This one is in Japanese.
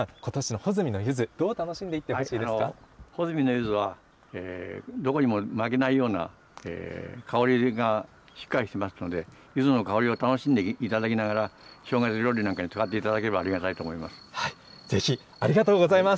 穂積のゆずはどこにも負けないような香りがしっかりしていますので、ゆずの香りを楽しんでいただきながら、正月料理なんかに使っていただければありがたいと思います。